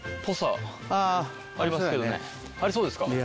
あれそうですか？